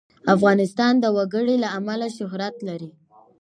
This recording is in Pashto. افغانستان د وګړي له امله شهرت لري.